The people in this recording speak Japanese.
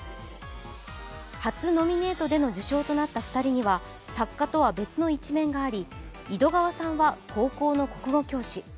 初ノミネートでの受賞となった２人には作家とは別の一面があり井戸川さんは高校の国語教師。